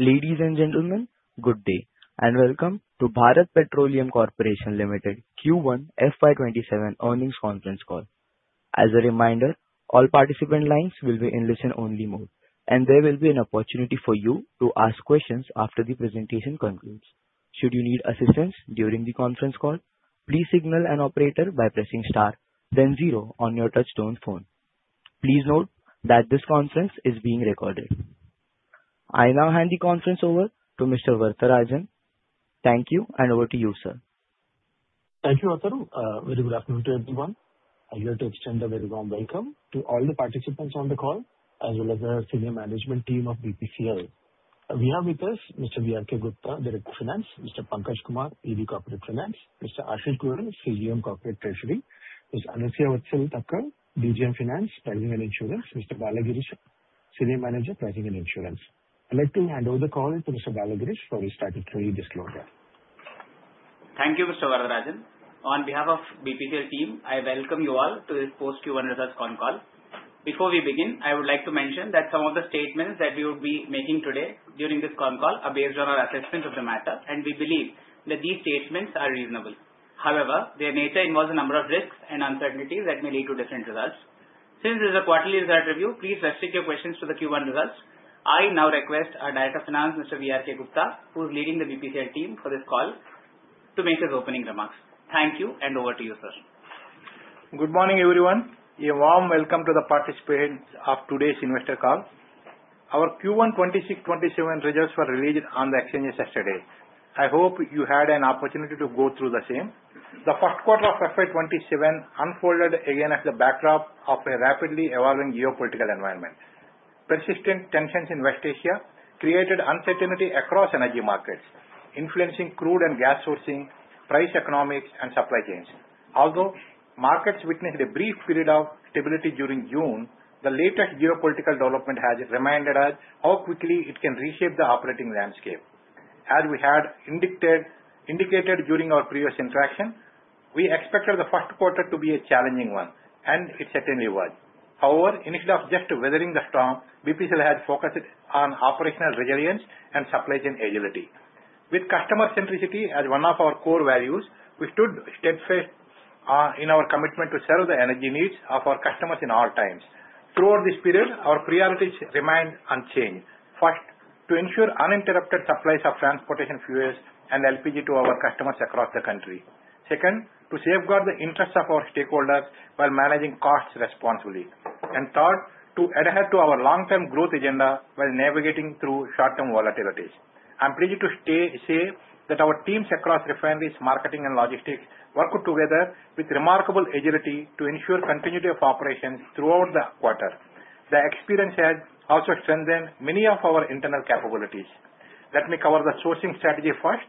Ladies and gentlemen, good day and welcome to Bharat Petroleum Corporation Limited Q1 FY 2027 earnings conference call. As a reminder, all participant lines will be in listen-only mode, and there will be an opportunity for you to ask questions after the presentation concludes. Should you need assistance during the conference call, please signal an operator by pressing star then zero on your touch-tone phone. Please note that this conference is being recorded. I now hand the conference over to Mr. Varatharajan. Thank you, and over to you, sir. Thank you. Very good afternoon to everyone. I would like to extend a very warm welcome to all the participants on the call, as well as our senior management team of BPCL. We have with us Mr. V.R.K. Gupta, Director of Finance, Mr. Pankaj Kumar, Executive Director, Corporate Finance, Mr. Ashish Goyal, Assistant General Manager, Corporate Treasury, Ms. Anuya Vatsal Thakar, Deputy General Manager, Finance, Pricing, and Insurance, Mr. Balagirish, Senior Manager, Pricing and Insurance. I'd like to hand over the call to Mr. Balagirish so he can start the disclosure. Thank you, Mr. Varatharajan. On behalf of BPCL team, I welcome you all to this post Q1 results call. Before we begin, I would like to mention that some of the statements that we will be making today during this call are based on our assessment of the matter, and we believe that these statements are reasonable. However, their nature involves a number of risks and uncertainties that may lead to different results. Since this is a quarterly result review, please restrict your questions to the Q1 results. I now request our Director of Finance, Mr. V.R.K. Gupta, who is leading the BPCL team for this call, to make his opening remarks. Thank you, and over to you, sir. Good morning, everyone. A warm welcome to the participants of today's investor call. Our Q1 2026-2027 results were released on the exchanges yesterday. I hope you had an opportunity to go through the same. The first quarter of FY 2027 unfolded again as the backdrop of a rapidly evolving geopolitical environment. Persistent tensions in West Asia created uncertainty across energy markets, influencing crude and gas sourcing, price economics, and supply chains. Although markets witnessed a brief period of stability during June, the latest geopolitical development has reminded us how quickly it can reshape the operating landscape. As we had indicated during our previous interaction, we expected the first quarter to be a challenging one, and it certainly was. However, instead of just weathering the storm, BPCL has focused on operational resilience and supply chain agility. With customer centricity as one of our core values, we stood steadfast in our commitment to serve the energy needs of our customers in all times. Throughout this period, our priorities remained unchanged. First, to ensure uninterrupted supplies of transportation fuels and LPG to our customers across the country. Second, to safeguard the interests of our stakeholders while managing costs responsibly. Third, to adhere to our long-term growth agenda while navigating through short-term volatilities. I'm pleased to say that our teams across refineries, marketing, and logistics worked together with remarkable agility to ensure continuity of operations throughout the quarter. The experience has also strengthened many of our internal capabilities. Let me cover the sourcing strategy first.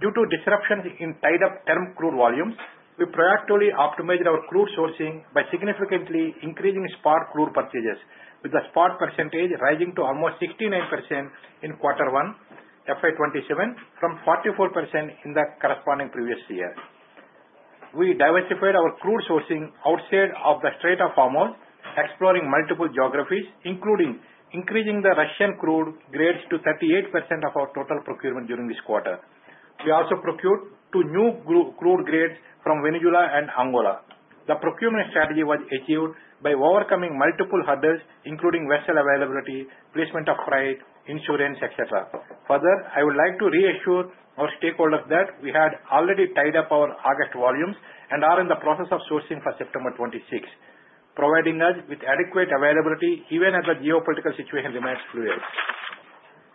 Due to disruptions in tied-up term crude volumes, we proactively optimized our crude sourcing by significantly increasing spot crude purchases, with the spot percentage rising to almost 69% in quarter one FY 2027, from 44% in the corresponding previous year. We diversified our crude sourcing outside of the Strait of Hormuz, exploring multiple geographies, including increasing the Russian crude grades to 38% of our total procurement during this quarter. We also procured two new crude grades from Venezuela and Angola. The procurement strategy was achieved by overcoming multiple hurdles, including vessel availability, placement of price, insurance, et cetera. Further, I would like to reassure our stakeholders that we had already tied up our August volumes and are in the process of sourcing for September 26, providing us with adequate availability even as the geopolitical situation remains fluid.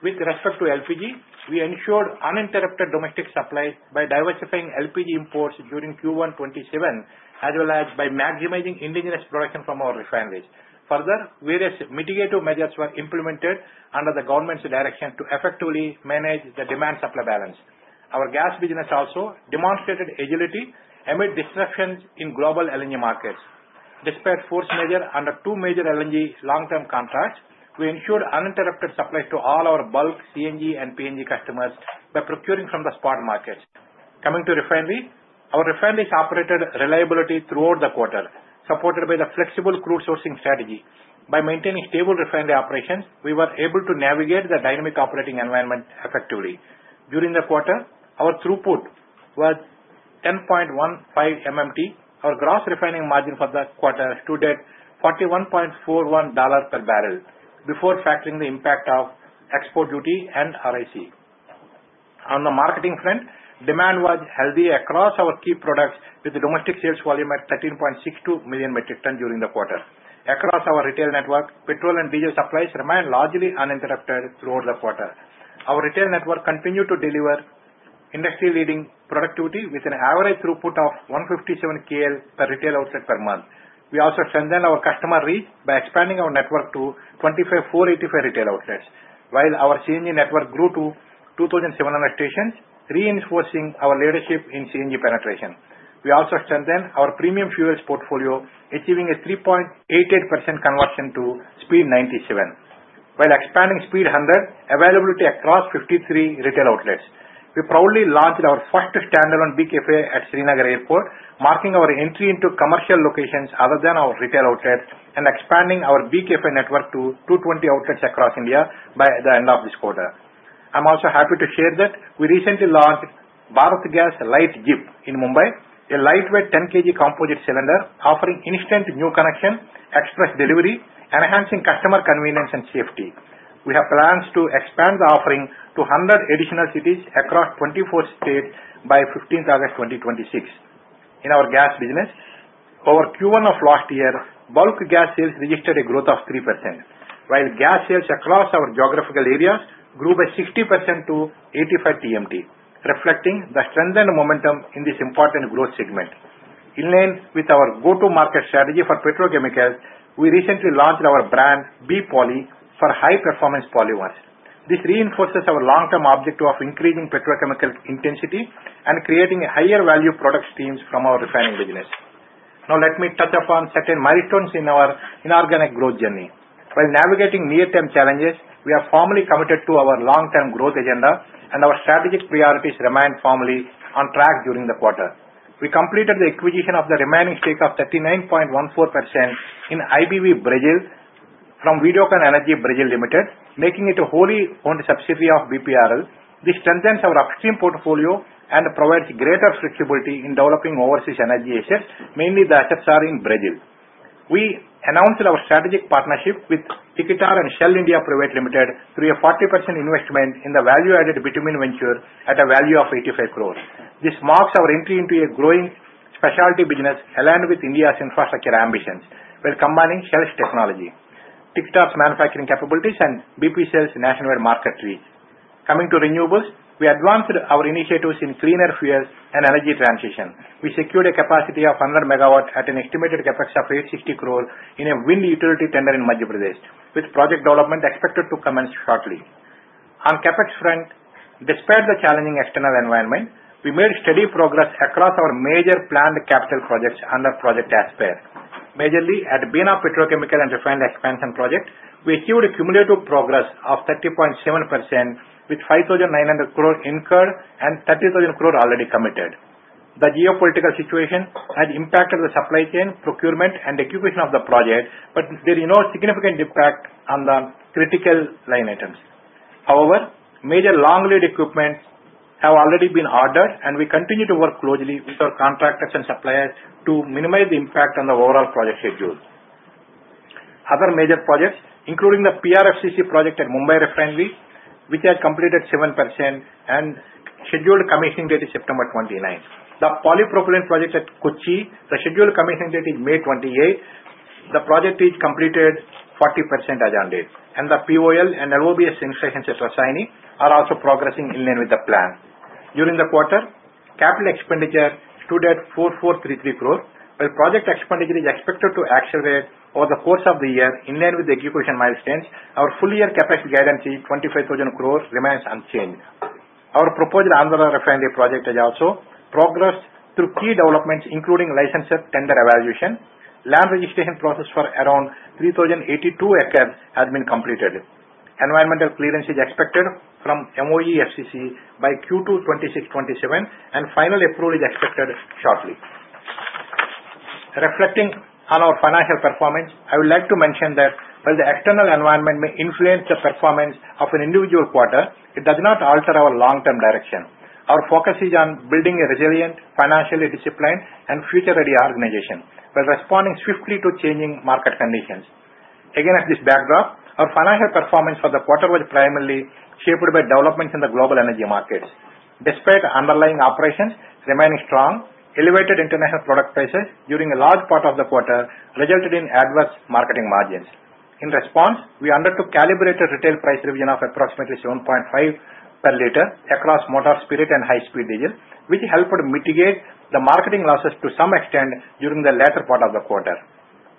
With respect to LPG, we ensured uninterrupted domestic supply by diversifying LPG imports during Q1 2027, as well as by maximizing indigenous production from our refineries. Further, various mitigative measures were implemented under the government's direction to effectively manage the demand-supply balance. Our gas business also demonstrated agility amid disruptions in global LNG markets. Despite force majeure under two major LNG long-term contracts, we ensured uninterrupted supply to all our bulk CNG and PNG customers by procuring from the spot markets. Coming to refinery, our refineries operated reliably throughout the quarter, supported by the flexible crude sourcing strategy. By maintaining stable refinery operations, we were able to navigate the dynamic operating environment effectively. During the quarter, our throughput was 10.15 MMT. Our gross refining margin for the quarter stood at $41.41 per barrel before factoring the impact of export duty and RIC. On the marketing front, demand was healthy across our key products, with the domestic sales volume at 13.62 million metric tonnes during the quarter. Across our retail network, petrol and diesel supplies remained largely uninterrupted throughout the quarter. Our retail network continued to deliver industry-leading productivity with an average throughput of 157 KL per retail outlet per month. We also strengthened our customer reach by expanding our network to 2,485 retail outlets, while our CNG network grew to 2,700 stations, reinforcing our leadership in CNG penetration. We also strengthened our premium fuels portfolio, achieving a 3.88% conversion to Speed 97 while expanding Speed 100 availability across 53 retail outlets. We proudly launched our first standalone BKF at Srinagar Airport, marking our entry into commercial locations other than our retail outlets and expanding our BKF network to 220 outlets across India by the end of this quarter. I'm also happy to share that we recently launched Bharatgas Lite ZIP in Mumbai, a lightweight 10 kg composite cylinder offering instant new connection, express delivery, enhancing customer convenience and safety. We have plans to expand the offering to 100 additional cities across 24 states by 15th August 2026. In our gas business, over Q1 of last year, bulk gas sales registered a growth of 3%, while gas sales across our geographical areas grew by 60% to 85 TMT, reflecting the strengthened momentum in this important growth segment. In line with our go-to-market strategy for petrochemicals, we recently launched our brand, B-Poly, for high-performance polymers. This reinforces our long-term objective of increasing petrochemical intensity and creating higher value product streams from our refining business. Let me touch upon certain milestones in our inorganic growth journey. While navigating near-term challenges, we are firmly committed to our long-term growth agenda. Our strategic priorities remain firmly on track during the quarter. We completed the acquisition of the remaining stake of 39.14% in IBV Brazil from Videocon Energy Brazil Limited, making it a wholly-owned subsidiary of BPRL. This strengthens our upstream portfolio and provides greater flexibility in developing overseas energy assets, mainly the assets that are in Brazil. We announced our strategic partnership with Tiki Tar and Shell India Private Limited through a 40% investment in the value-added bitumen venture at a value of 85 crore. This marks our entry into a growing specialty business aligned with India's infrastructure ambitions. We're combining Shell's technology, Tiki Tar's manufacturing capabilities, and BPCL's nationwide market reach. Coming to renewables, we advanced our initiatives in cleaner fuels and energy transition. We secured a capacity of 100 MW at an estimated CapEx of 860 crore in a wind utility tender in Madhya Pradesh, with project development expected to commence shortly. On CapEx front, despite the challenging external environment, we made steady progress across our major planned capital projects under Project Aspire. Majorly at Bina Petrochemical and Refinery Expansion project, we achieved a cumulative progress of 30.7%, with 5,900 crore incurred and 30,000 crore already committed. The geopolitical situation has impacted the supply chain procurement and execution of the project. There is no significant impact on the critical line items. Major long lead equipments have already been ordered, and we continue to work closely with our contractors and suppliers to minimize the impact on the overall project schedule. Other major projects, including the PRFCC project at Mumbai Refinery, which has completed 7% and scheduled commissioning date is September 29th. The Polypropylene project at Kochi, the scheduled commissioning date is May 28th. The project is completed 40% as on date, and the POL and ROBS licenses assignee are also progressing in line with the plan. During the quarter, capital expenditure stood at 4,433 crore. While project expenditure is expected to accelerate over the course of the year in line with the execution milestones, our full-year CapEx guarantee, 25,000 crore, remains unchanged. Our proposed Andhra Refinery project has also progressed through key developments, including licenses, tender evaluation. Land registration process for around 3,082 acres has been completed. Environmental clearance is expected from MoEFCC by Q2 2026-2027. Final approval is expected shortly. Reflecting on our financial performance, I would like to mention that while the external environment may influence the performance of an individual quarter, it does not alter our long-term direction. Our focus is on building a resilient, financially disciplined, and future-ready organization while responding swiftly to changing market conditions. At this backdrop, our financial performance for the quarter was primarily shaped by developments in the global energy markets. Despite underlying operations remaining strong, elevated international product prices during a large part of the quarter resulted in adverse marketing margins. In response, we undertook calibrated retail price revision of approximately 7.5 per liter across motor spirit and high-speed diesel, which helped to mitigate the marketing losses to some extent during the latter part of the quarter.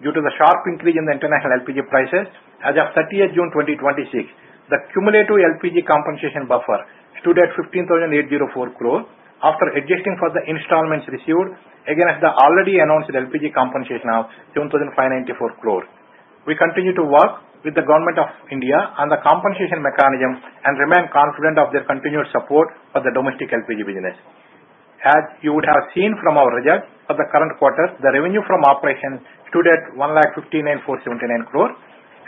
Due to the sharp increase in the international LPG prices, as of 30th June 2026, the cumulative LPG compensation buffer stood at 15,804 crore after adjusting for the installments received against the already announced LPG compensation of 11,594 crore. We continue to work with the Government of India on the compensation mechanism and remain confident of their continued support for the domestic LPG business. As you would have seen from our results for the current quarter, the revenue from operations stood at 1 lakh 59,479 crore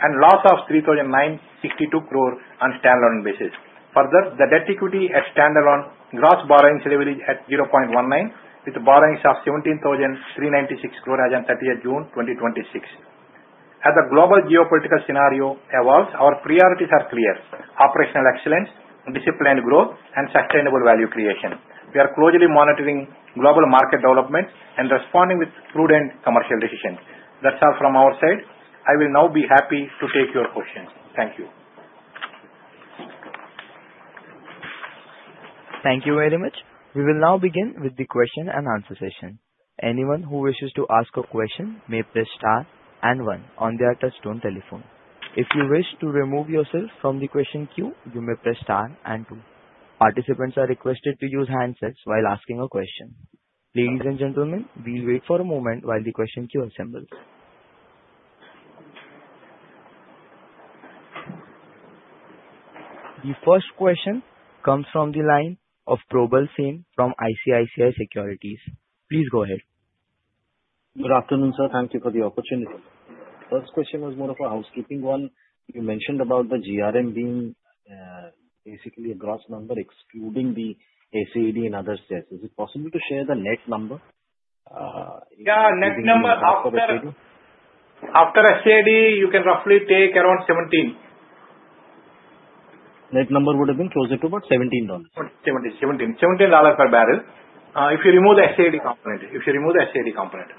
and loss of 3,962 crore on standalone basis. Further, the debt equity at standalone gross borrowings level is at 0.19x, with borrowings of 17,396 crore as on 30th June 2026. As the global geopolitical scenario evolves, our priorities are clear: operational excellence, disciplined growth, and sustainable value creation. We are closely monitoring global market developments and responding with prudent commercial decisions. That's all from our side. I will now be happy to take your questions. Thank you. Thank you very much. We will now begin with the question-and-answer session. Anyone who wishes to ask a question may press star and one on their touch-tone telephone. If you wish to remove yourself from the question queue, you may press star and two. Participants are requested to use handsets while asking a question. Ladies and gentlemen, we wait for a moment while the question queue assembles. The first question comes from the line of Probal Sen from ICICI Securities. Please go ahead. Good afternoon, sir. Thank you for the opportunity. First question was more of a housekeeping one. You mentioned about the GRM being basically a gross number, excluding the ACAD and other shares. Is it possible to share the net number? Net number after ACAD, you can roughly take around $17. Net number would have been closer to about $17. $17 per barrel, if you remove the ACAD component.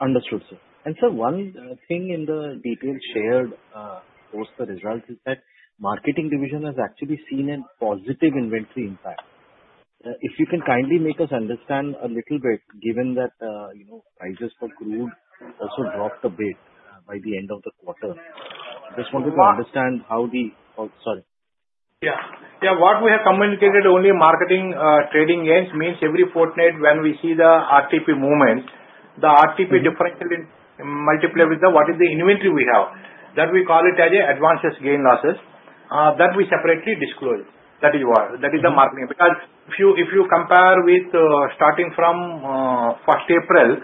Understood, sir. Sir, one thing in the detail shared, post the result is that marketing division has actually seen a positive inventory impact. If you can kindly make us understand a little bit, given that prices for crude also dropped a bit by the end of the quarter. Just wanted to understand Oh, sorry. What we have communicated only marketing trading gains means every fortnight when we see the RTP movements, the RTP differential in multiplier with what is the inventory we have. That we call it as [inventory] gain/losses, that we separately disclose. That is the marketing. Because if you compare with starting from 1st April,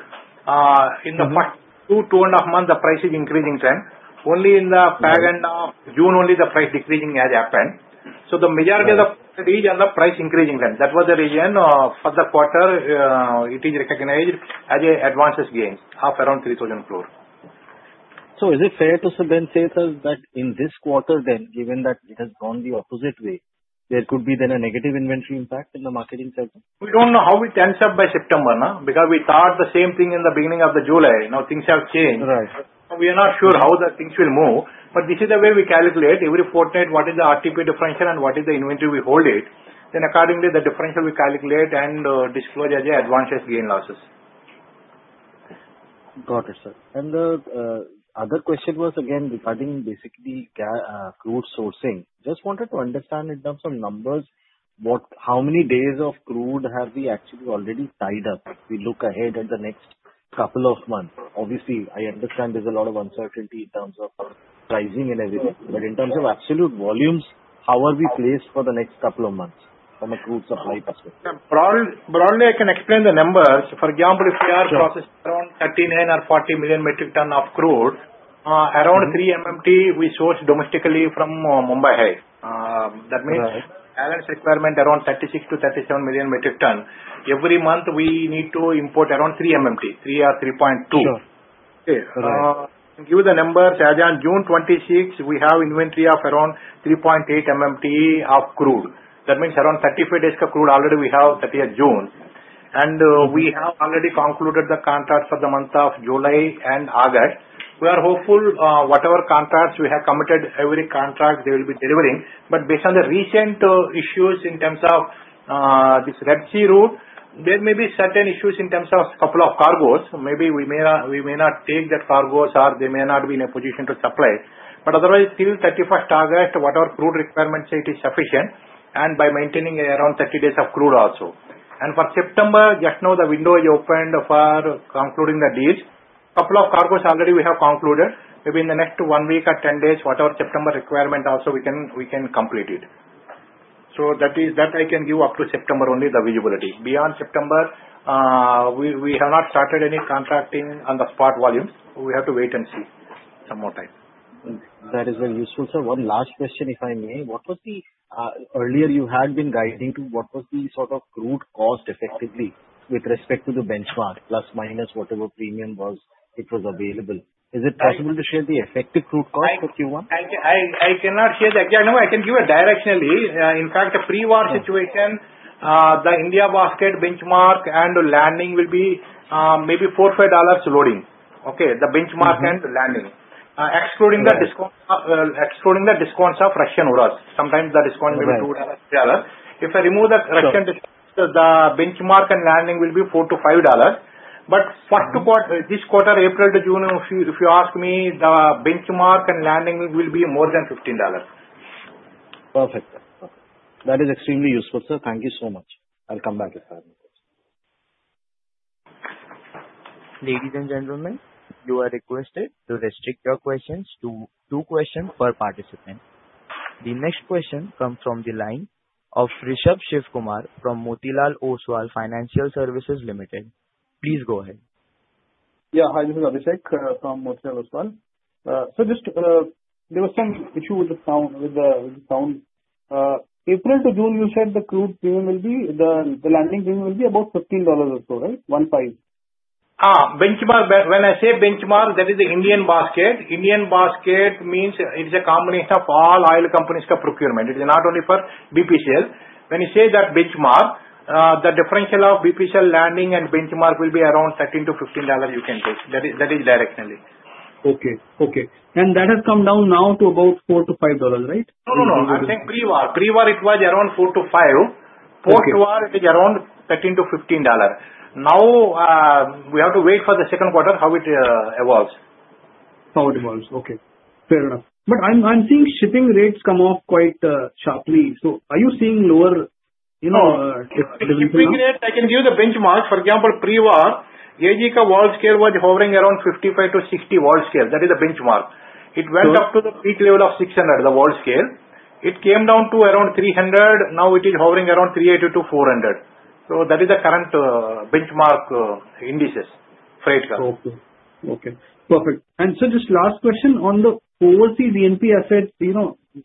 in the first two and a half months, the price is increasing trend. Only in the far-end of June the price decreasing has happened. The majority of the reason, the price increasing then. That was the reason for the quarter, it is recognized as inventory gains of around 3,000 crore. Is it fair to then say, sir, that in this quarter then, given that it has gone the opposite way, there could be then a negative inventory impact in the marketing segment? We don't know how it ends up by September now, because we thought the same thing in the beginning of the July. Things have changed. Right. We are not sure how the things will move, this is the way we calculate every fortnight, what is the RTP differential and what is the inventory we hold it. Accordingly, the differential we calculate and disclose as [inventory] gain/losses. Got it, sir. The other question was again regarding basically crude sourcing. Just wanted to understand in terms of numbers, how many days of crude have we actually already tied up? We look ahead at the next couple of months. Obviously, I understand there's a lot of uncertainty in terms of pricing and everything. In terms of absolute volumes, how are we placed for the next couple of months from a crude supply perspective? Broadly, I can explain the numbers. For example, if we are processing around 39 million metric tonne or 40 million metric tonne of crude, around 3 MMT, we source domestically from Mumbai High. Right. That means balance requirement around 36 million metric tonne to 37 million metric tonne. Every month, we need to import around 3 MMT, 3 MMT or 3.2 MMT. Sure. To give the numbers, as on June 26, we have inventory of around 3.8 MMT of crude. That means around 35 days crude already we have that year June, we have already concluded the contract for the month of July and August. We are hopeful whatever contracts we have committed, every contract they will be delivering. Based on the recent issues in terms of this Red Sea route, there may be certain issues in terms of couple of cargoes. Maybe we may not take that cargoes or they may not be in a position to supply. Otherwise, till 31st August, whatever crude requirements, it is sufficient, by maintaining around 30 days of crude also. For September, just now the window is opened for concluding the deals. Couple of cargoes already we have concluded. Maybe in the next one week or 10 days, whatever September requirement also we can complete it. That I can give up to September only the visibility. Beyond September, we have not started any contracting on the spot volumes. We have to wait and see some more time. That is very useful, sir. One last question, if I may. Earlier you had been guiding to what was the sort of crude cost effectively with respect to the benchmark, plus-minus whatever premium was, it was available. Is it possible to share the effective crude cost for Q1? I can give a directionally. In fact, a pre-war situation, the India basket benchmark and landing will be maybe $4-$5 loading. Okay? The benchmark and landing. Excluding the discounts of Russian Urals. Sometimes the discount will be $2-$3. If I remove the Russian discount, the benchmark and landing will be $4-$5. First quarter, this quarter, April to June, if you ask me, the benchmark and landing will be more than $15. Perfect. That is extremely useful, sir. Thank you so much. I'll come back if I have any questions. Ladies and gentlemen, you are requested to restrict your questions to two questions per participant. The next question comes from the line of Rishabh Shivkumar from Motilal Oswal Financial Services Limited. Please go ahead. Yeah. Hi, this is Abhishek from Motilal Oswal. There was some issue with the sound. April to June, you said the landing premium will be about $15 or so, right? One five. When I say benchmark, that is the Indian Basket. Indian Basket means it's a combination of all oil companies' procurement. It is not only for BPCL. When you say that benchmark, the differential of BPCL landing and benchmark will be around $13-$15 you can take. That is directionally. Okay. That has come down now to about $4-$5, right? No. I'm saying pre-war. Pre-war it was around $4-$5. Okay. Post-war it is around $13-$15. Now, we have to wait for the second quarter, how it evolves. How it evolves. Okay. Fair enough. I'm seeing shipping rates come off quite sharply. Are you seeing lower You know I can give the benchmark. For example, pre-war, AG's Worldscale was hovering around 55% to 60% Worldscale. That is the benchmark. It went up to the peak level of 600%, the Worldscale. It came down to around 300%. Now it is hovering around 380% to 400%. That is the current benchmark indices for BPCL. Okay, perfect. Sir, just last question on the overseas E&P assets,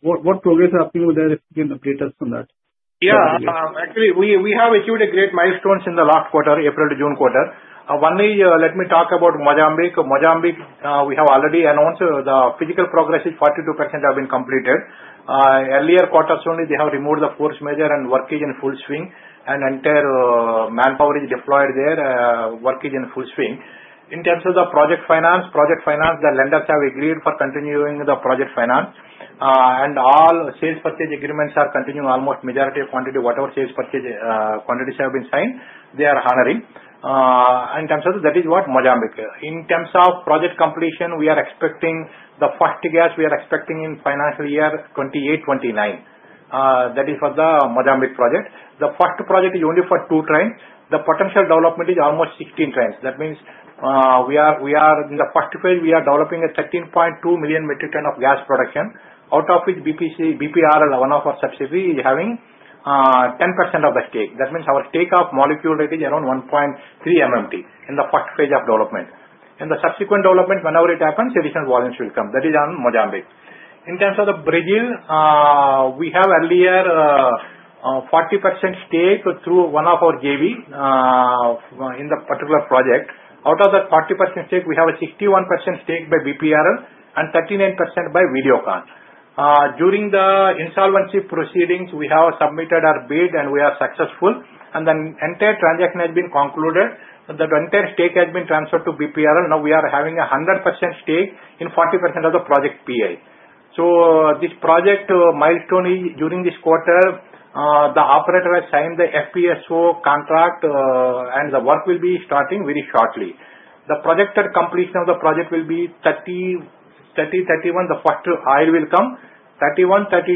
what progress are happening with that, if you can update us on that? Actually, we have achieved great milestones in the last quarter, April to June quarter. Only let me talk about Mozambique. Mozambique, we have already announced the physical progress is 42% have been completed. Earlier quarters only, they have removed the force majeure and work is in full swing, and entire manpower is deployed there. Work is in full swing. In terms of the project finance, the lenders have agreed for continuing the project finance. All sales purchase agreements are continuing almost majority of quantity, whatever sales purchase quantities have been signed, they are honoring. In terms of that is what Mozambique. In terms of project completion, we are expecting the first gas we are expecting in financial year 2028-2029. That is for the Mozambique project. The first project is only for two trains. The potential development is almost 16 trains. That means, in the first phase, we are developing a 13.2 million metric tonne of gas production, out of which BPRL, one of our subsidiary, is having 10% of the stake. That means our stake of molecule is around 1.3 MMT in the first phase of development. In the subsequent development, whenever it happens, additional volumes will come. That is on Mozambique. In terms of the Brazil, we have earlier 40% stake through one of our JV in the particular project. Out of that 40% stake, we have a 61% stake by BPRL and 39% by Videocon. During the insolvency proceedings, we have submitted our bid and we are successful, entire transaction has been concluded. That entire stake has been transferred to BPRL. Now we are having a 100% stake in 40% of the project PI. This project milestone is during this quarter, the operator has signed the FPSO contract, the work will be starting very shortly. The projected completion of the project will be 2030-2031, the first oil will come.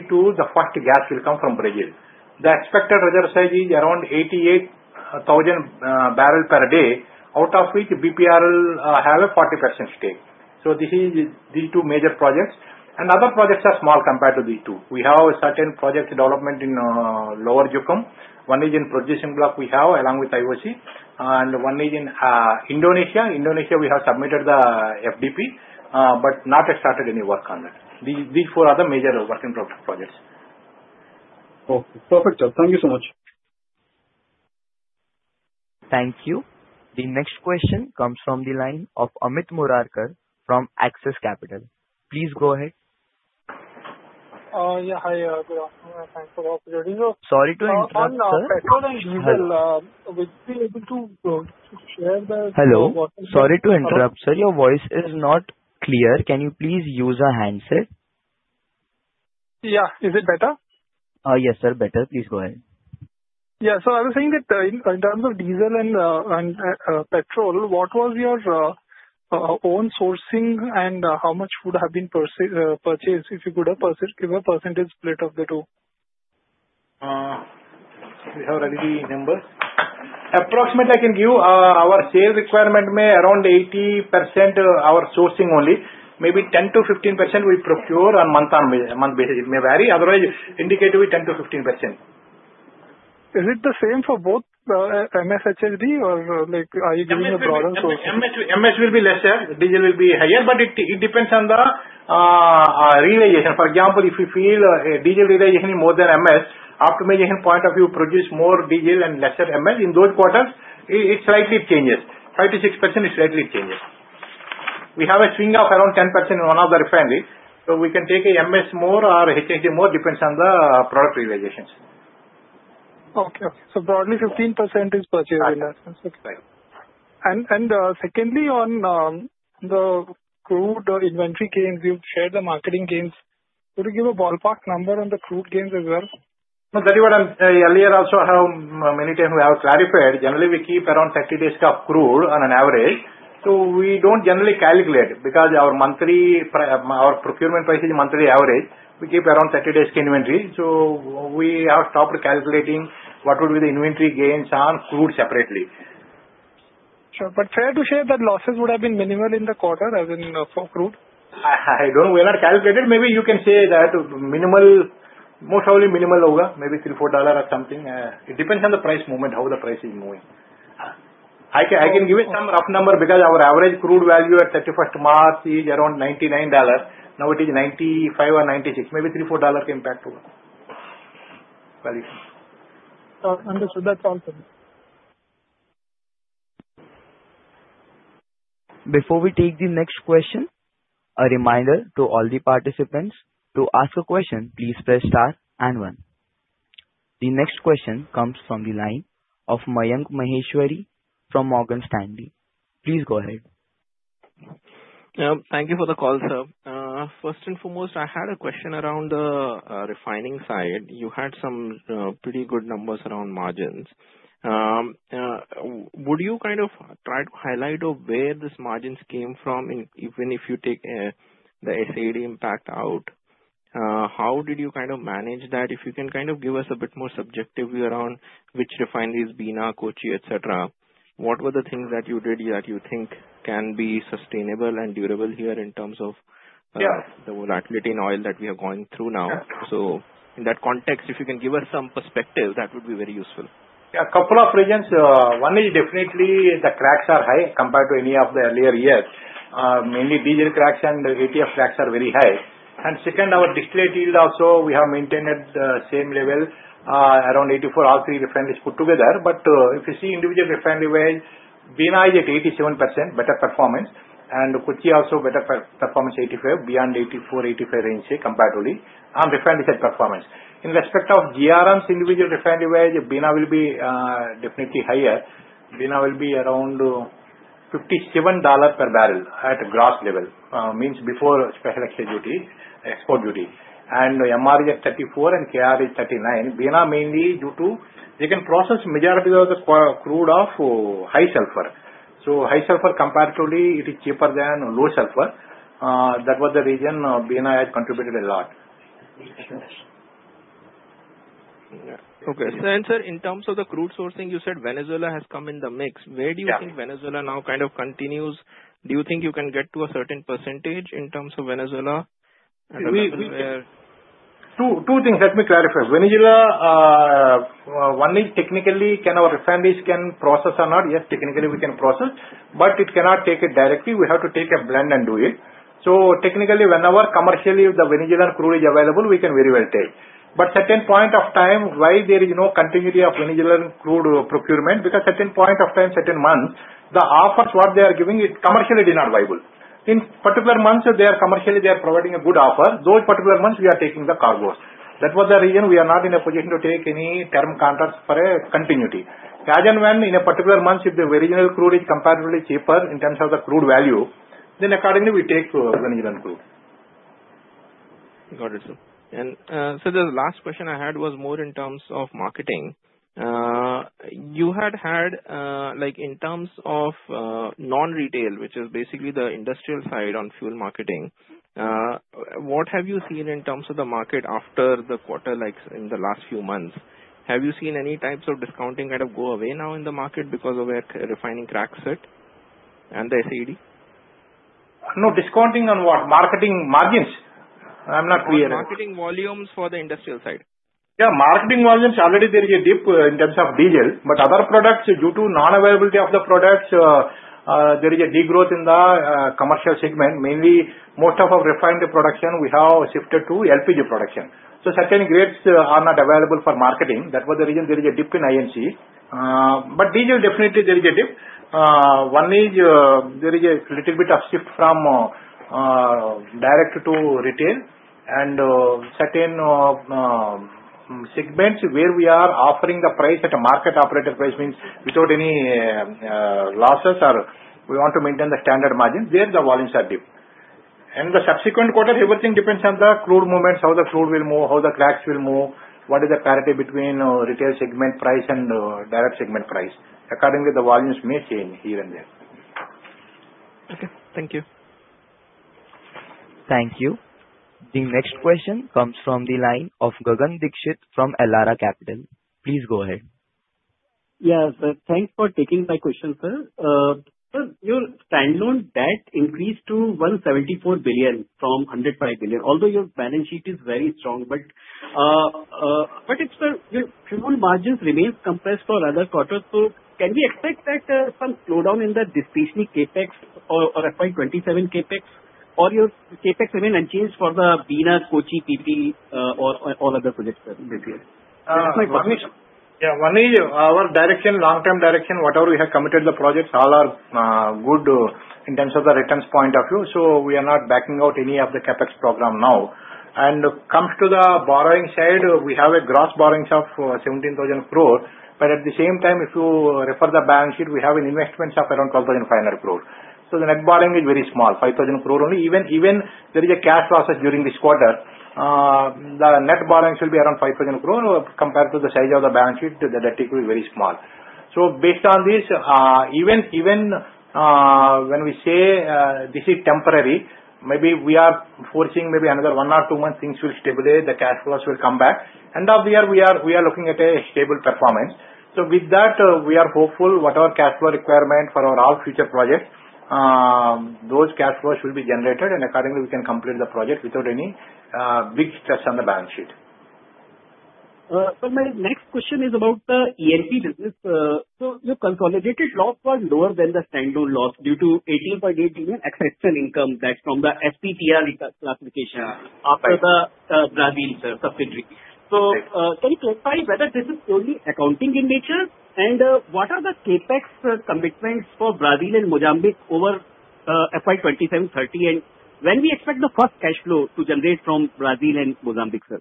2031-2032, the first gas will come from Brazil. The expected reserve size is around 88,000 bpd, out of which BPRL have a 40% stake. These are two major projects, and other projects are small compared to these two. We have certain project development in Lower Zakum. One is in production block we have along with IOC, one is in Indonesia. Indonesia, we have submitted the FDP, but not yet started any work on that. These four are the major work in progress projects. Okay, perfect sir. Thank you so much. Thank you. The next question comes from the line of Amit Murarka from Axis Capital. Please go ahead. Yeah. Hi. Good afternoon. Thanks for the opportunity. Sorry to interrupt, sir. On petrol you would be able to share the- Hello. Sorry to interrupt, sir. Your voice is not clear. Can you please use a handset? Yeah. Is it better? Yes, sir. Better. Please go ahead. Yeah. I was saying that in terms of diesel and petrol, what was your own sourcing and how much would have been purchased, if you could give a percentage split of the two? Do we have ready the numbers? Approximately, I can give. Our sales requirement around 80% our sourcing only. Maybe 10%-15% we procure on month-on-month basis. It may vary. Otherwise, indicatively 10%-15%. Is it the same for both MS, HSD, or are you giving a preference? MS will be lesser. Diesel will be higher, but it depends on the realization. For example, if you feel a diesel realization is more than MS, optimization point of view produce more diesel and lesser MS. In those quarters, it slightly changes. 5%-6%, it slightly changes. We have a swing of around 10% in one or the other refinery, so we can take MS more or HSD more, depends on the product realizations. Okay. Broadly 15% is purchased. Right. Secondly, on the crude inventory gains, you've shared the marketing gains. Could you give a ballpark number on the crude gains as well? That is what earlier also how many times we have clarified. Generally, we keep around 30 days of crude on an average. We don't generally calculate because our procurement price is a monthly average. We keep around 30 days inventory. We have stopped calculating what would be the inventory gains on crude separately. Sure. Fair to share that losses would have been minimal in the quarter for crude? I don't know. We have not calculated. Maybe you can say that minimal, most probably minimal, maybe $3-$4 or something. It depends on the price movement, how the price is moving. I can give you some rough number because our average crude value at 31st March is around $99. Now it is $95 or $96. Maybe $3-$4 impact. Understood. That's all, sir. Before we take the next question, a reminder to all the participants, to ask a question, please press star and one. The next question comes from the line of Mayank Maheshwari from Morgan Stanley. Please go ahead. Thank you for the call, sir. First and foremost, I had a question around the refining side. You had some pretty good numbers around margins. Would you try to highlight where these margins came from, even if you take the ACAD impact out? How did you manage that? If you can give us a bit more subjective view around which refineries, Bina, Kochi, et cetera. What were the things that you did that you think can be sustainable and durable here in terms of Yeah the volatility in oil that we are going through now? Yeah. In that context, if you can give us some perspective, that would be very useful. A couple of reasons. One is definitely the cracks are high compared to any of the earlier years. Mainly diesel cracks and ATF cracks are very high. Second, our distillate yield also, we have maintained at the same level, around 84%, all three refineries put together. If you see individual refinery-wise, Bina is at 87%, better performance, and Kochi also better performance, 85%, beyond 84%-85% range comparatively, on refinery side performance. In respect of GRMs, individual refinery wise, Bina will be definitely higher. Bina will be around $57 per barrel at gross level, means before special extra duty, export duty. MR is at $34 per barrel and KR is $39 per barrel. Bina mainly due to, they can process majority of the crude oil, high sulfur. High sulfur comparatively, it is cheaper than low sulfur. That was the reason Bina has contributed a lot. Okay. Sir, in terms of the crude sourcing, you said Venezuela has come in the mix. Yeah. Where do you think Venezuela now kind of continues? Do you think you can get to a certain percentage in terms of Venezuela? Two things, let me clarify. Venezuela, one is technically can our refineries process or not? Yes, technically we can process, but it cannot take it directly. We have to take a blend and do it. Technically, whenever commercially the Venezuelan crude is available, we can very well take. Certain point of time, why there is no continuity of Venezuelan crude procurement? Certain point of time, certain months, the offers what they are giving, it commercially did not viable. In particular months, if they are commercially providing a good offer, those particular months we are taking the cargos. That was the reason we are not in a position to take any term contracts for a continuity. As and when in a particular month, if the original crude is comparatively cheaper in terms of the crude value, then accordingly we take Venezuelan crude. Got it, sir. Sir, the last question I had was more in terms of marketing. You had in terms of non-retail, which is basically the industrial side on fuel marketing, what have you seen in terms of the market after the quarter in the last few months? Have you seen any types of discounting kind of go away now in the market because of where refining cracks sit and the ACAD? No. Discounting on what? Marketing margins? I'm not clear here. Marketing volumes for the industrial side. Yeah, marketing volumes already there is a dip in terms of diesel, but other products, due to non-availability of the products, there is a degrowth in the commercial segment. Mainly, most of our refinery production we have shifted to LPG production. Certain grades are not available for marketing. That was the reason there is a dip in I&C. But diesel definitely there is a dip. One is, there is a little bit of shift from direct to retail and certain segments where we are offering the price at a market operated price, means without any losses or we want to maintain the standard margin, there the volumes are dip. In the subsequent quarter, everything depends on the crude movements, how the crude will move, how the cracks will move, what is the parity between retail segment price and direct segment price. Accordingly, the volumes may change here and there. Okay. Thank you. Thank you. The next question comes from the line of Gagan Dixit from Elara Capital. Please go ahead. Yeah. Thanks for taking my question, sir. Sir, your standalone debt increased to 174 billion from 105 billion, although your balance sheet is very strong, if the fuel margins remains compressed for another quarter, can we expect that some slowdown in the discretionary CapEx or FY 2027 CapEx or your CapEx remain unchanged for the Bina, Kochi, PP or other projects, sir? Yeah. One is our direction, long-term direction, whatever we have committed the projects, all are good in terms of the returns point of view. We are not backing out any of the CapEx program now. Comes to the borrowing side, we have a gross borrowings of 17,000 crore, at the same time, if you refer the balance sheet, we have an investments of around 12,500 crore. The net borrowing is very small, 5,000 crore only. Even there is a cash process during this quarter, the net borrowings will be around 5,000 crore compared to the size of the balance sheet, the debt equity is very small. Based on this, even when we say this is temporary, maybe we are foreseeing maybe another one or two months things will stabilize, the cash flows will come back. End of the year, we are looking at a stable performance. With that, we are hopeful whatever cash flow requirement for our all future projects, those cash flows will be generated, and accordingly, we can complete the project without any big stress on the balance sheet. Sir, my next question is about the E&P business. Your consolidated loss was lower than the standalone loss due to 18.8 million exceptional income that from the FCTR classification after the Brazil subsidiary. Can you clarify whether this is only accounting in nature, and what are the CapEx commitments for Brazil and Mozambique over FY 2027-2030? When we expect the first cash flow to generate from Brazil and Mozambique, sir?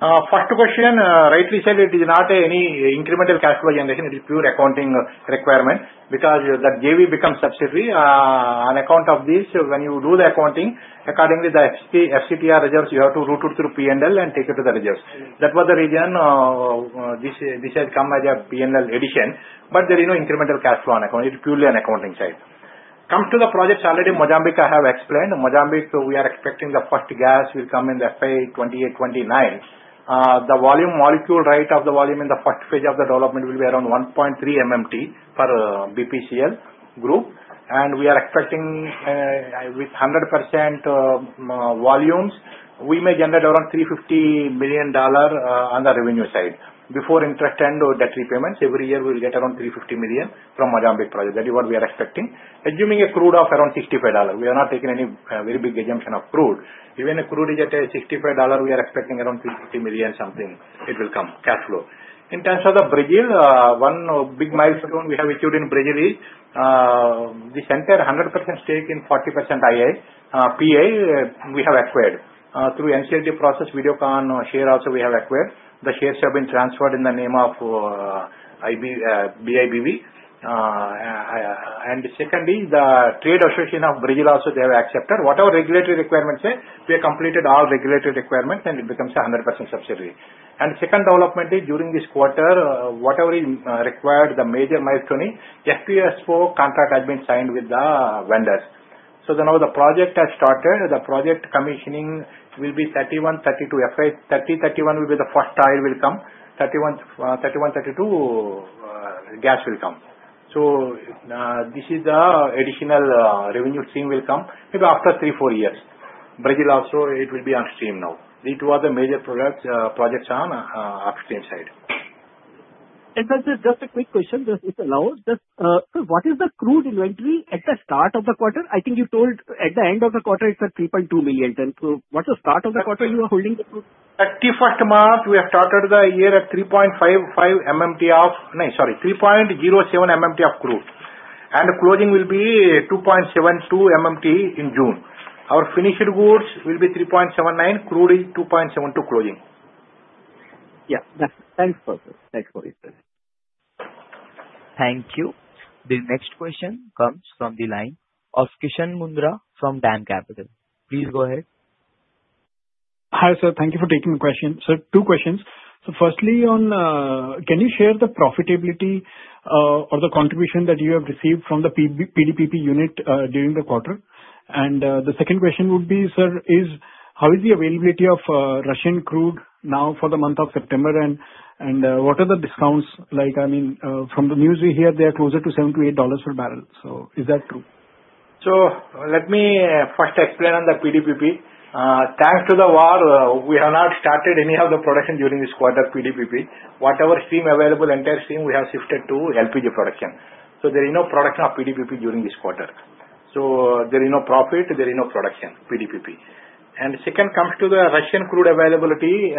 First question, rightly said it is not any incremental cash flow generation. It is pure accounting requirement because that JV becomes subsidiary. On account of this, when you do the accounting, accordingly the FCTR reserves, you have to route it through P&L and take it to the reserves. That was the reason this has come as a P&L addition, but there is no incremental cash flow on account. It is purely an accounting side. Come to the projects already Mozambique I have explained. Mozambique, we are expecting the first gas will come in the FY 2028-2029. The volume molecule rate of the volume in the first phase of the development will be around 1.3 MMT per BPCL group. We are expecting with 100% volumes, we may generate around INR 350 million on the revenue side. Before interest and debt repayments, every year we will get around 350 million from Mozambique project. That is what we are expecting. Assuming a crude of around $65. We are not taking any very big assumption of crude. Even a crude is at a $65, we are expecting around 350 million something, it will come, cash flow. In terms of the Brazil, one big milestone we have achieved in Brazil is, this entire 100% stake in 40% AI, PI, we have acquired. Through NCLT process, Videocon share also we have acquired. The shares have been transferred in the name of IBV. Secondly, the Trade Association of Brazil also they have accepted. Whatever regulatory requirements are, we have completed all regulatory requirements, and it becomes a 100% subsidiary. Second development is during this quarter, whatever is required, the major milestone, FPSO contract has been signed with the vendors. Now the project has started. The project commissioning will be FY 2031-2032. 2030-2031 will be the first oil will come. 2031-2032, gas will come. This is the additional revenue stream will come maybe after three, four years. Brazil also it will be on stream now. These two are the major projects are on upstream side. Sir, just a quick question, if it allows. Just, sir, what is the crude inventory at the start of the quarter? I think you told at the end of the quarter it is at 3.2 million metric tonnes then. What is the start of the quarter you were holding the crude? 31st March we have started the year at 3.55 MMT of crude. 3.07 MMT of crude. Closing will be 2.72 MMT in June. Our finished goods will be 3.79 MMT, crude is 2.72 MMT closing. Thanks for that. Thanks for your time. Thank you. The next question comes from the line of Kishan Mundra from DAM Capital. Please go ahead. Hi, sir. Thank you for taking the question. Sir, two questions. Firstly, can you share the profitability or the contribution that you have received from the PDPP unit during the quarter? The second question would be, sir, is how is the availability of Russian crude now for the month of September, and what are the discounts like? I mean, from the news we hear they are closer to $7-$8 per barrel. Is that true? Let me first explain on the PDPP. Thanks to the war, we have not started any of the production during this quarter PDPP. Whatever stream available, entire stream we have shifted to LPG production. There is no production of PDPP during this quarter. There is no profit, there is no production, PDPP. Second comes to the Russian crude availability.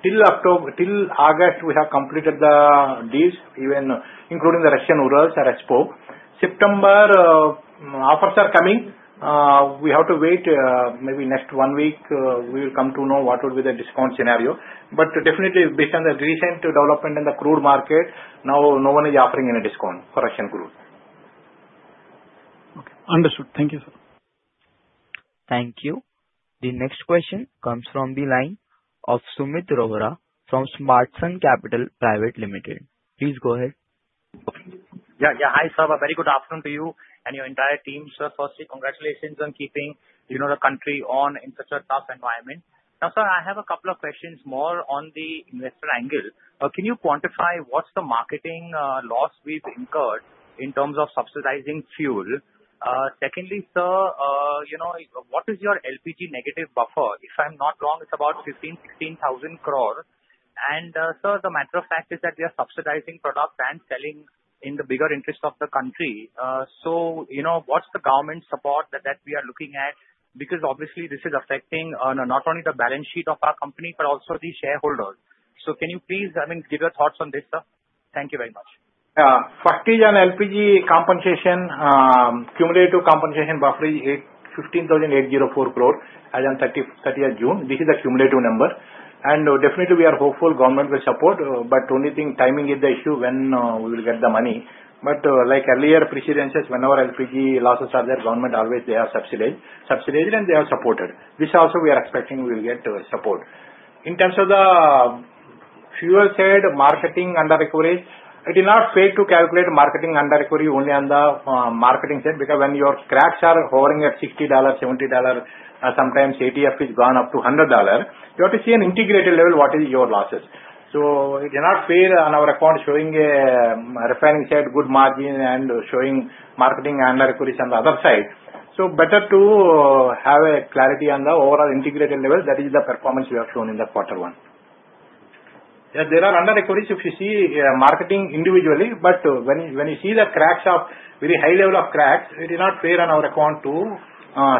Till August, we have completed the deals, even including the Russian Urals or ESPO. September offers are coming. We have to wait maybe next one week, we will come to know what would be the discount scenario. Definitely based on the recent development in the crude market, now no one is offering any discount for Russian crude. Okay, understood. Thank you, sir. Thank you. The next question comes from the line of Sumeet Rohra from Smartsun Capital Pte. Ltd.. Please go ahead. Hi, sir. A very good afternoon to you and your entire team. Sir, firstly, congratulations on keeping the country on in such a tough environment. Sir, I have a couple of questions more on the investor angle. Can you quantify what's the marketing loss we've incurred in terms of subsidizing fuel? Secondly, sir, what is your LPG negative buffer? If I'm not wrong, it's about 15,000 crore-16,000 crore. Sir, the matter of fact is that we are subsidizing product and selling in the bigger interest of the country. What's the government support that we are looking at? Because obviously this is affecting not only the balance sheet of our company but also the shareholders. Can you please, I mean, give your thoughts on this, sir? Thank you very much. Firstly, on LPG compensation, cumulative compensation buffer is 15,804 crore as on 30th June. This is the cumulative number. Definitely we are hopeful government will support, but only thing timing is the issue when we will get the money. Like earlier precedences, whenever LPG losses are there, government always they have subsidized, and they have supported. This also we are expecting we will get support. In terms of the fuel side marketing under-recovery, it is not fair to calculate marketing under-recovery only on the marketing side because when your cracks are hovering at $60-$70, sometimes ATF is gone up to $100, you have to see an integrated level what is your losses. It is not fair on our account showing a refining side good margin and showing marketing under-recoveries on the other side. Better to have a clarity on the overall integrated level that is the performance we have shown in the quarter one. There are under-recoveries if you see marketing individually, but when you see the cracks are very high level of cracks, it is not fair on our account to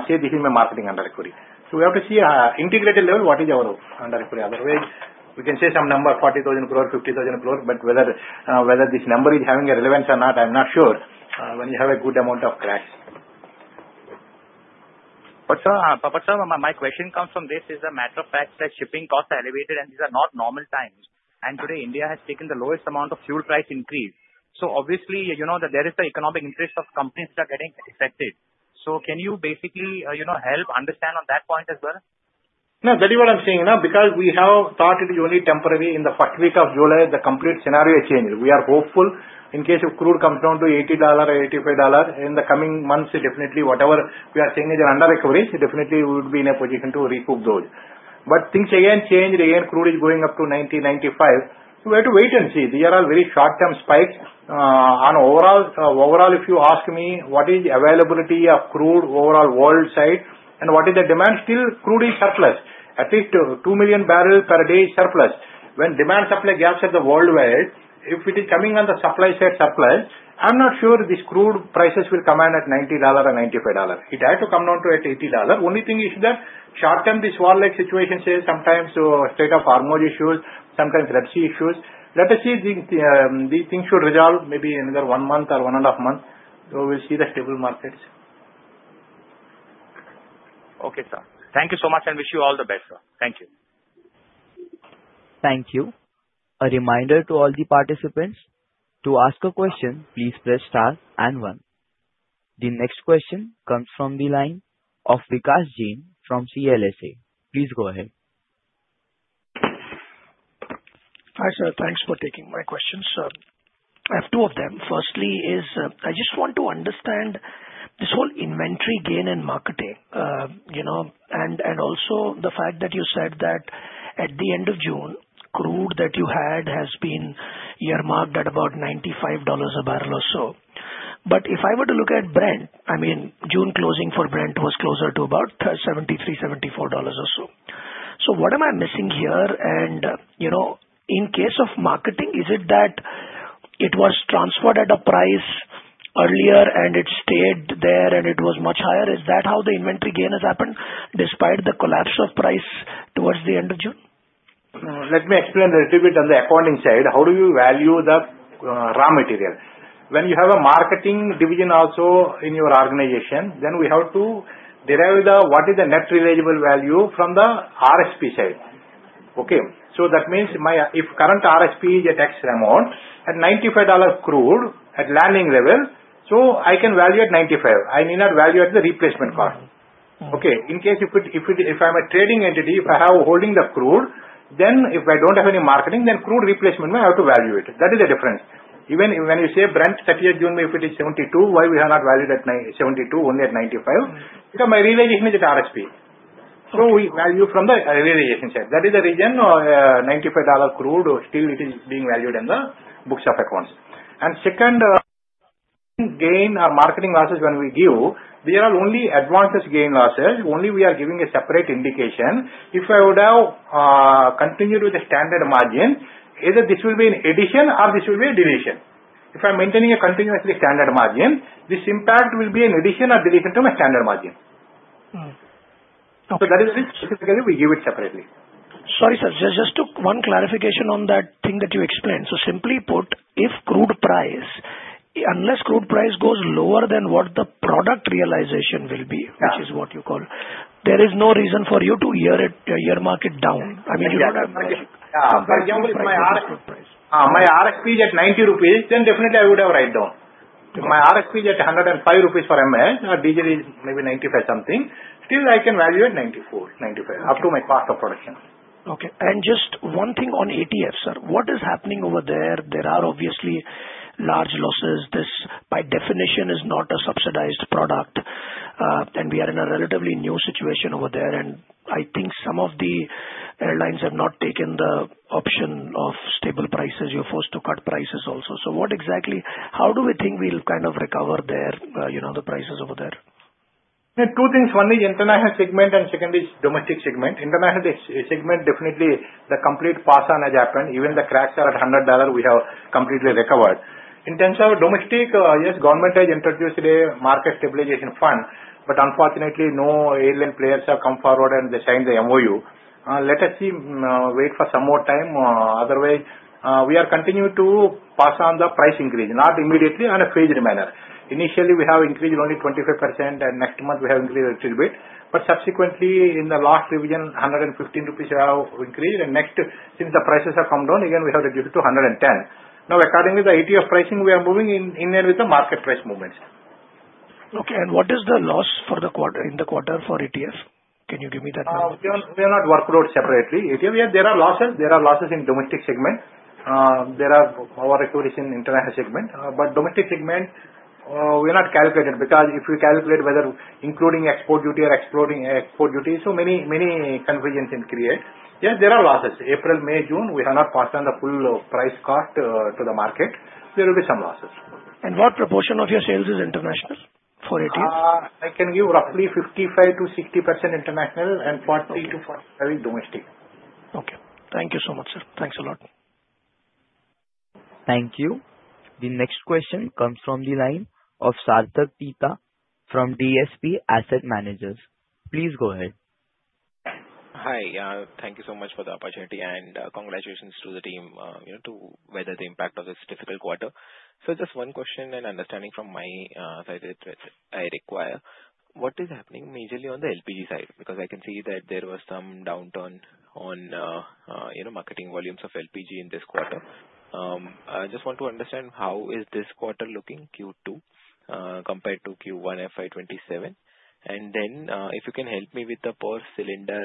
say this is my marketing under-recovery. We have to see integrated level what is our under-recovery. Otherwise, we can say some number, 40,000 crore-50,000 crore, but whether this number is having a relevance or not, I'm not sure when you have a good amount of cracks. Sir, my question comes from this is a matter of fact that shipping costs are elevated and these are not normal times. Today India has taken the lowest amount of fuel price increase. Obviously, there is the economic interest of companies that are getting affected. Can you basically help understand on that point as well? No, that is what I'm saying. We have thought it is only temporary in the first week of July, the complete scenario changed. We are hopeful in case of crude comes down to $80, $85 in the coming months, definitely whatever we are saying is an under-recovery, definitely we would be in a position to recoup those. Things again changed. Again, crude is going up to $90-$95. We have to wait and see. These are all very short-term spikes. Overall, if you ask me what is the availability of crude overall world side and what is the demand, still crude is surplus. At least 2 mmbpd surplus. When demand supply gaps at the worldwide, if it is coming on the supply side surplus, I'm not sure this crude prices will come in at $90 or $95. It has to come down to at $80. Only thing is that short-term, this war-like situation, say sometimes Strait of Hormuz issues, sometimes Red Sea issues. Let us see, these things should resolve maybe another one month or one and a half months. We'll see the stable markets. Okay, sir. Thank you so much and wish you all the best, sir. Thank you. Thank you. A reminder to all the participants, to ask a question, please press star and one. The next question comes from the line of Vikash Jain from CLSA. Please go ahead. Hi, sir. Thanks for taking my question, sir. I have two of them. Firstly is, I just want to understand this whole inventory gain and marketing. Also the fact that you said that at the end of June, crude that you had has been earmarked at about $95 a barrel or so. But if I were to look at Brent, June closing for Brent was closer to about $73-$74 or so. What am I missing here? In case of marketing, is it that it was transferred at a price earlier and it stayed there and it was much higher? Is that how the inventory gain has happened despite the collapse of price towards the end of June? Let me explain a little bit on the accounting side, how do you value the raw material. When you have a marketing division also in your organization, then we have to derive what is the net realizable value from the RSP side. Okay. That means if current RSP is at x amount, at $95 crude at landing level, I can value at $95. I need not value at the replacement cost. Okay. In case if I'm a trading entity, if I have a holding the crude, then if I don't have any marketing, then crude replacement I have to value it. That is the difference. Even when you say Brent 30th June, if it is $72, why we have not valued at $72, only at $95? Because my realization is at RSP. We value from the realization side. That is the reason $95 crude still it is being valued in the books of accounts. Second, gain or marketing losses when we give, they are only advances gain losses, only we are giving a separate indication. If I would have continued with the standard margin, either this will be an addition or this will be a deletion. If I'm maintaining a continuously standard margin, this impact will be an addition or deletion to my standard margin. Okay. That is it. Specifically, we give it separately. Sorry, sir. Just one clarification on that thing that you explained. Simply put, unless crude price goes lower than what the product realization will be- Yeah which is what you call, there is no reason for you to earmark it down. I mean, you would have For example, if my RSP is at 90 rupees, definitely I would have write down. If my RSP is at 105 rupees for MS, HSD is maybe 95 something, still I can value at 94-95 up to my cost of production. Okay. Just one thing on ATF, sir. What is happening over there? There are obviously large losses. This, by definition, is not a subsidized product. We are in a relatively new situation over there, and I think some of the airlines have not taken the option of stable prices. You're forced to cut prices also. How do we think we'll recover the prices over there? Two things. One is International segment, second is Domestic segment. International segment, definitely the complete pass-on has happened. The crash at $100, we have completely recovered. In terms of domestic, yes, government has introduced a Market Stabilization Fund, unfortunately, no airline players have come forward and they sign the MoU. Let us wait for some more time. Otherwise, we are continuing to pass on the price increase, not immediately, on a phased manner. Initially, we have increased only 25%, and next month we have increased a little bit. Subsequently, in the last revision, 115 rupees we have increased, and next, since the prices have come down, again, we have reduced to 110. Accordingly, the ATF pricing, we are moving in line with the market price movements. Okay. What is the loss in the quarter for ATF? Can you give me that number? We are not worked out separately. There are losses in domestic segment. There are lower acquisition in International segment. Domestic segment, we have not calculated because if we calculate whether including export duty or excluding export duty, so many conversions can create. Yes, there are losses. April, May, June, we have not passed on the full price cut to the market. There will be some losses. What proportion of your sales is international for ATF? I can give roughly 55%-60% international and 43%-45% domestic. Okay. Thank you so much, sir. Thanks a lot. Thank you. The next question comes from the line of Sarthak Tita from DSP Asset Managers. Please go ahead. Hi. Thank you so much for the opportunity. Congratulations to the team to weather the impact of this difficult quarter. Just one question and understanding from my side that I require. What is happening majorly on the LPG side? I can see that there was some downturn on marketing volumes of LPG in this quarter. I just want to understand how is this quarter looking, Q2, compared to Q1 FY 2027. If you can help me with the per cylinder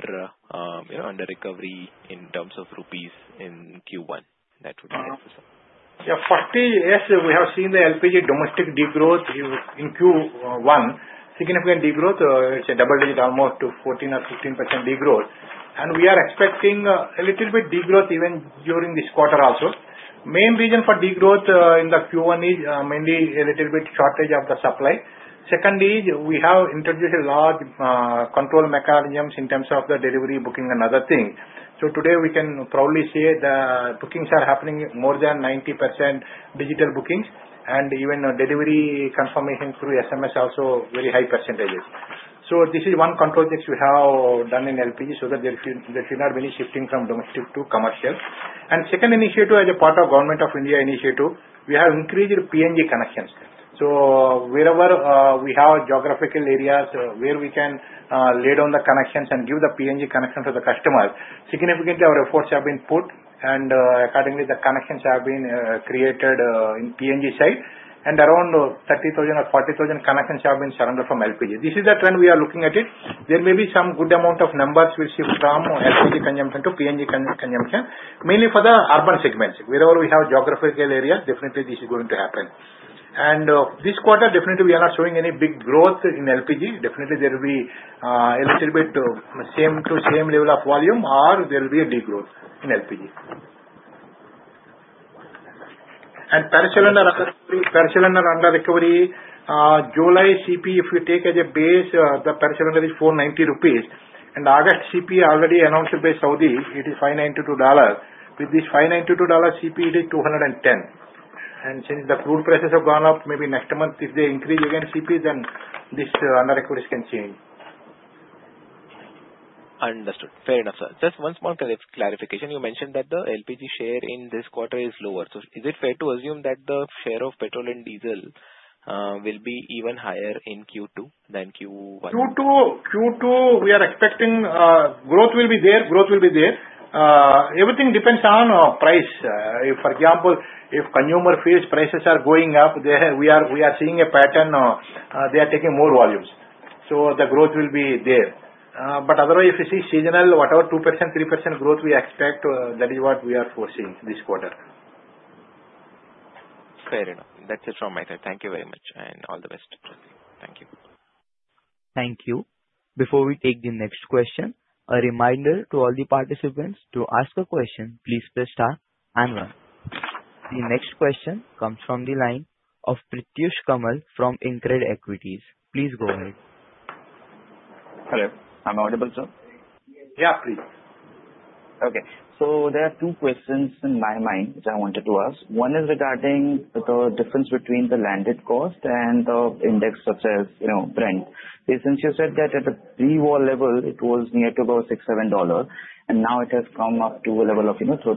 under-recovery in terms of rupees in Q1. That would be helpful, sir. Yeah. Firstly, yes, we have seen the LPG domestic de-growth in Q1, significant de-growth. It's a double-digit almost to 14% or 15% de-growth. We are expecting a little bit de-growth even during this quarter also. Main reason for de-growth in the Q1 is mainly a little bit shortage of the supply. Secondly, we have introduced a large control mechanisms in terms of the delivery, booking and other things. Today we can probably say the bookings are happening more than 90% digital bookings and even delivery confirmation through SMS also very high percentages. This is one control which we have done in LPG so that there should not be any shifting from domestic to commercial. Second initiative as a part of Government of India initiative, we have increased PNG connections. Wherever we have geographical areas where we can lay down the connections and give the PNG connection to the customers, significantly our efforts have been put and accordingly the connections have been created in PNG side, and around 30,000-40,000 connections have been surrendered from LPG. This is the trend we are looking at it. There may be some good amount of numbers we'll see from LPG consumption to PNG consumption, mainly for the urban segments. Wherever we have geographical areas, definitely this is going to happen. This quarter, definitely we are not showing any big growth in LPG. Definitely there will be a little bit same level of volume or there will be a de-growth in LPG. Per cylinder under-recovery, July CP, if you take as a base, the per cylinder is 490 rupees. August CP already announced by Saudi it is $592. With this $592 CP, it is 210. Since the crude prices have gone up, maybe next month if they increase again CP, then this under-recovery can change. Understood. Fair enough, sir. Just one small clarification. You mentioned that the LPG share in this quarter is lower. Is it fair to assume that the share of petrol and diesel will be even higher in Q2 than Q1? Q2, we are expecting growth will be there. Everything depends on price. If, for example, if consumer face prices are going up, we are seeing a pattern, they are taking more volumes, so the growth will be there. Otherwise, if you see seasonal, whatever 2%-3% growth we expect, that is what we are foreseeing this quarter. Fair enough. That's it from my side. Thank you very much, and all the best. Thank you. Thank you. Before we take the next question, a reminder to all the participants to ask a question, please press star and one. The next question comes from the line of Pratyush Kamal from InCred Equities. Please go ahead. Hello. I'm audible, sir? Yeah, please. Okay. There are two questions in my mind which I wanted to ask. One is regarding the difference between the landed cost and the index of sales, Brent. Since you said that at the pre-war level it was near to about $6-$7 and now it has come up to a level of $13-$14.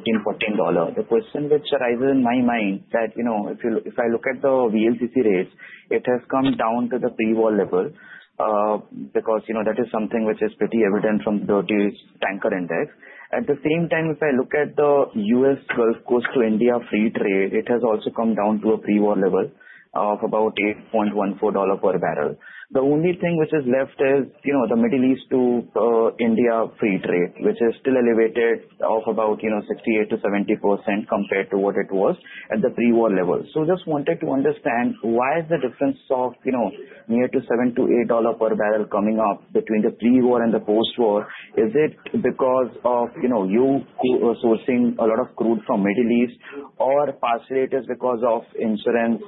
The question which arises in my mind that if I look at the VLCC rates, it has come down to the pre-war level because that is something which is pretty evident from Baltic Dirty Tanker Index. At the same time, if I look at the U.S. Gulf Coast to India free trade, it has also come down to a pre-war level of about $8.14 per barrel. The only thing which is left is the Middle East to India free trade, which is still elevated of about 68%-70% compared to what it was at the pre-war level. Just wanted to understand why is the difference of near to $7-$8 per barrel coming up between the pre-war and the post-war? Is it because of you sourcing a lot of crude from Middle East or partially it is because of insurance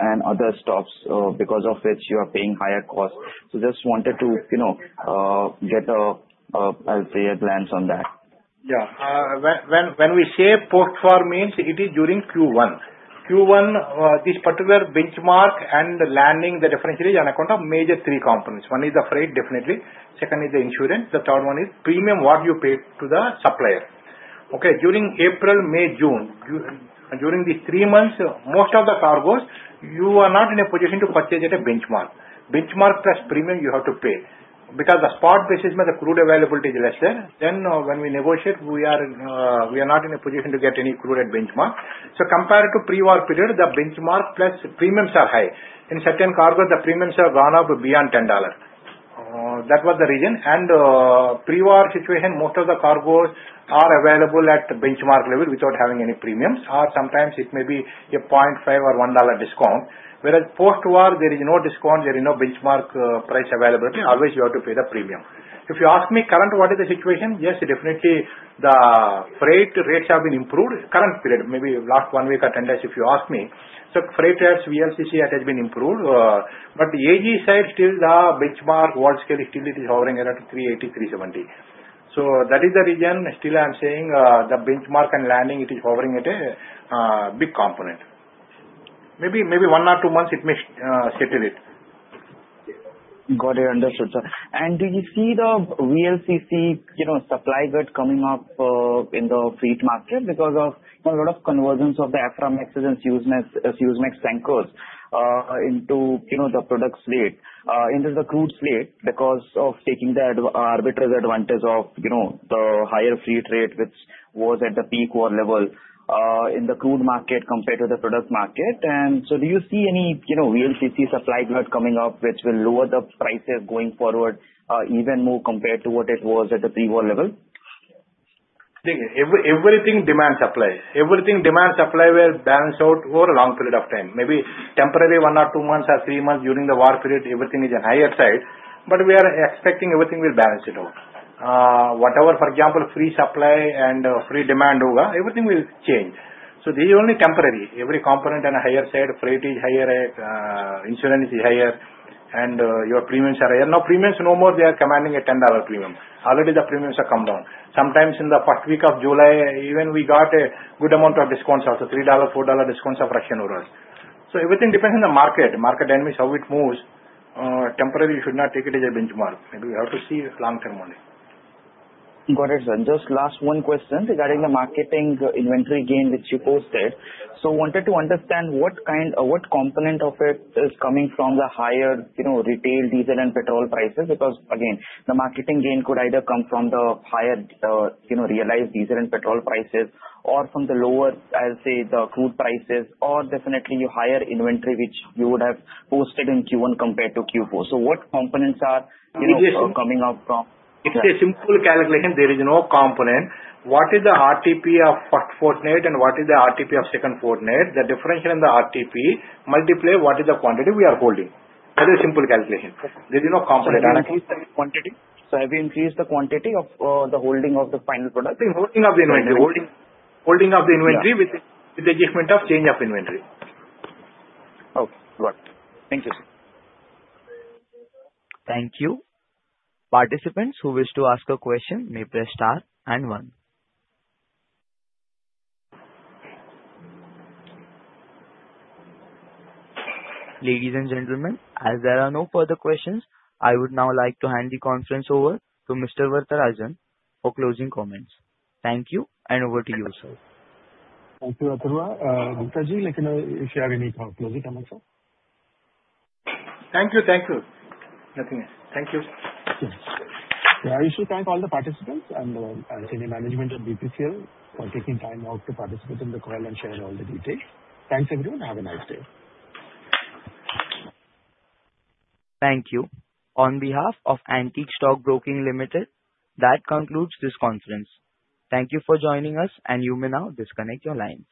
and other costs, because of which you are paying higher cost. Just wanted to get a higher glance on that. Yeah. When we say post-war means it is during Q1. Q1, this particular benchmark and landed the differential is on account of major three components. One is the freight definitely, second is the insurance, the third one is premium, what you paid to the supplier. Okay. During April, May, June, during these three months, most of the cargoes you are not in a position to purchase at a benchmark. Benchmark plus premium you have to pay because the spot basis where the crude availability is lesser, then when we negotiate, we are not in a position to get any crude at benchmark. Compared to pre-war period, the benchmark plus premiums are high. In certain cargoes the premiums have gone up beyond $10. That was the reason. Pre-war situation, most of the cargoes are available at benchmark level without having any premiums or sometimes it may be a $0.5 or $1 discount. Post-war, there is no discount, there is no benchmark price availability. Always you have to pay the premium. If you ask me current what is the situation? Yes, definitely the freight rates have been improved current period, maybe last one week or 10 days if you ask me. Freight rates VLCC it has been improved. AG side still the benchmark Worldscale still it is hovering around 380%-370%. That is the reason still I am saying the benchmark and landing it is hovering at a big component. Maybe one or two months it may settle it. Got it. Understood, sir. Did you see the VLCC supply grid coming up in the freight market because of a lot of convergence of the Aframax and Suezmax tankers into the product slate, into the crude slate because of taking the arbitrage advantage of the higher freight rate which was at the peak war level in the crude market compared to the product market. Do you see any VLCC supply grid coming up which will lower the prices going forward even more compared to what it was at the pre-war level? See, everything demand supply. Everything demand supply will balance out over a long period of time. Maybe temporary one or two months or three months during the war period, everything is on higher side, but we are expecting everything will balance it out. Whatever, for example, free supply and free demand over, everything will change. This is only temporary. Every component on a higher side, freight is higher, insurance is higher, and your premiums are higher. Now, premiums no more they are commanding a $10 premium. Already the premiums have come down. Sometimes in the first week of July, even we got a good amount of discounts, also $3-$4 discounts of Russian oils. Everything depends on the market dynamics, how it moves. Temporary, you should not take it as a benchmark. Maybe we have to see long-term only. Got it, sir. Just last one question regarding the marketing inventory gain which you posted. Wanted to understand what component of it is coming from the higher retail diesel and petrol prices. Again, the marketing gain could either come from the higher realized diesel and petrol prices or from the lower, I'll say, the crude prices, or definitely your higher inventory, which you would have posted in Q1 compared to Q4. What components are- It is- -coming out from? It is a simple calculation. There is no component. What is the RTP of first fortnight and what is the RTP of second fortnight? The differential in the RTP multiply what is the quantity we are holding. That's a simple calculation. Okay. There is no component analysis. Have you increased any quantity? Have you increased the quantity of the holding of the final product? The holding of the inventory. Holding of the inventory with the adjustment of change of inventory. Okay, got it. Thank you, sir. Thank you. Participants who wish to ask a question may press star and one. Ladies and gentlemen, as there are no further questions, I would now like to hand the conference over to Mr. Varatharajan for closing comments. Thank you, and over to you, sir. Thank you, Atharva. Gupta ji, if you have any closing comments sir? Thank you. Nothing else. Thank you. Yes. I also thank all the participants and senior management of BPCL for taking time out to participate in the call and share all the details. Thanks, everyone. Have a nice day. Thank you. On behalf of Antique Stock Broking Limited, that concludes this conference. Thank you for joining us. You may now disconnect your line.